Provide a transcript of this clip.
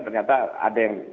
ternyata ada yang